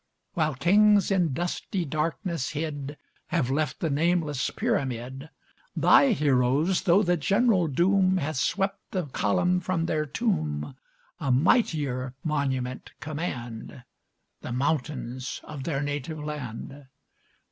While kings, in dusty darkness hid, Have left a nameless pyramid, Thy heroes, though the general doom Hath swept the column from their tomb, A mightier monument command, The mountains of their native land!